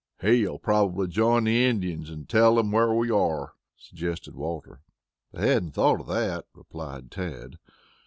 "He'll probably join the Indians and tell them where we are," suggested Walter. "I hadn't thought of that," replied Tad.